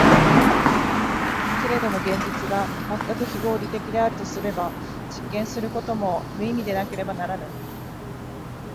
けれども現実が全く非合理的であるとすれば、実験することも無意味でなければならぬ。